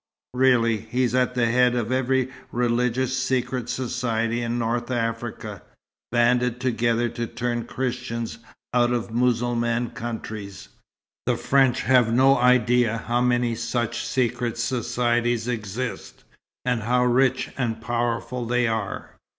Really, he's at the head of every religious secret society in North Africa, banded together to turn Christians out of Mussulman countries. The French have no idea how many such secret societies exist, and how rich and powerful they are.